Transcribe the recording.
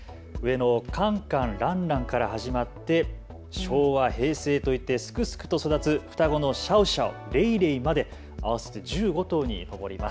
カンカン、ランランから始まって昭和、平成といって、すくすくと育つ双子のシャオシャオ、レイレイまで合わせて１５頭に上ります。